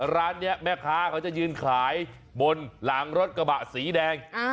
ร้านนี้แม่ค้าเขาจะยืนขายบนหลังรถกระบะสีแดง